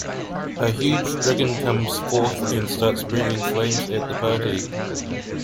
A huge dragon comes forth and starts breathing flames at the party.